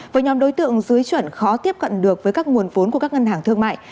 với nhóm đối tượng dưới chuẩn khó tiếp cận được với các nguồn vốn của các ngân hàng thương mại